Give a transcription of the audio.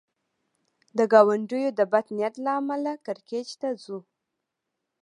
د ګاونډیو د بد نیت له امله کړکېچ ته ځو.